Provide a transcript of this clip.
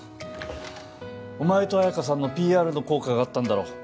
お前と綾華さんの ＰＲ の効果があったんだろう